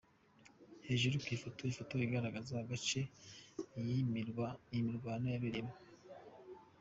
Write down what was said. Hejuru ku ifoto: Ifoto igaragaza agace iyi mirwano yabereyemo.